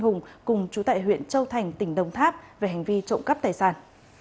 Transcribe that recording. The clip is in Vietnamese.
hùng cùng chú tại huyện châu thành tỉnh đồng tháp về hành vi trộm cắp tài sản